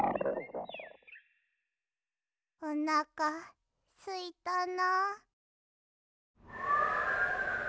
おなかすいたな。